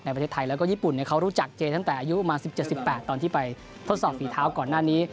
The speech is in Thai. ประเทศไทยแล้วก็ญี่ปุ่นเขารู้จักเจตั้งแต่อายุประมาณ๑๗๑๘ตอนที่ไปทดสอบฝีเท้าก่อนหน้านี้